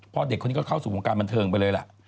เด็กคนนี้ก็เข้าสู่วงการบันเทิงไปเลยล่ะ